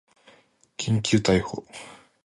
緊急逮捕